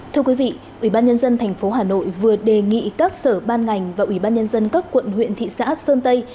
thưa quý vị ủy ban nhân dân thành phố hà nội vừa đề nghị các sở ban ngành và ủy ban nhân dân các quận huyện thị xã sơn tây